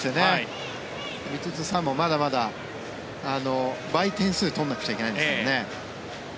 ヴィチットサーンもまだまだ倍の点数取らなくちゃいけないですからね。